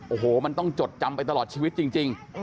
โอ้โหมันต้องจดจำไปตลอดชีวิตจริง